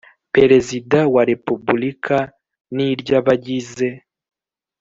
Perezida wa Repubulika n iry Abagize